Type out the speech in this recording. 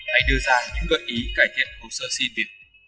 hay đưa ra những gợi ý cải thiện hồ sơ xin việc